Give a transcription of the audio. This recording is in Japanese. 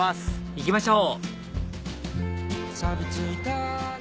行きましょう！